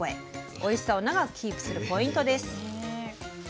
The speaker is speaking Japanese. おいしさを長くキープするポイントです。